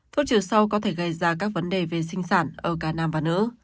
thuốc trừ sâu có thể gây ra các vấn đề về sinh sản ở cả nam và nữ